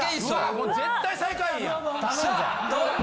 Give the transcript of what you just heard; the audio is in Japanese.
もう絶対最下位やん。